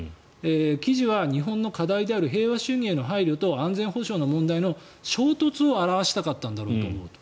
記事は日本の課題である平和主義への配慮と安全保障の問題の衝突を表したかったんだろうと思うと。